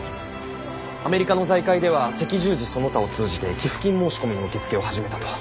アメリカの財界では赤十字その他を通じて寄付金申し込みの受け付けを始めたと。